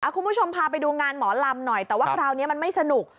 คุณผู้ชมพาไปดูงานหมอลำหน่อยแต่ว่าคราวนี้มันไม่สนุก